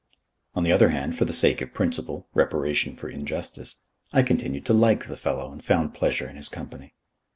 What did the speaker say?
On the other hand, for the sake of principle, reparation for injustice, I continued to like the fellow and found pleasure in his company.